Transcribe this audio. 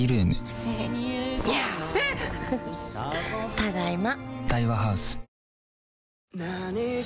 ただいま。